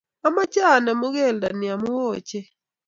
Amache anemu keldani amo ochei